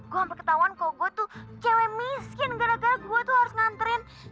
gue hampir ketahuan kok gue tuh cewek miskin gara gara gue tuh harus nganterin